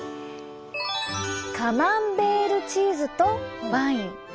カマンベールチーズとワイン。